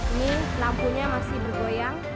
ini lampunya masih bergoyang